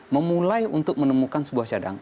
memulai untuk menemukan sebuah cadang